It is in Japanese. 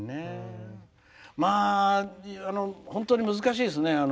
まあ本当に難しいですね。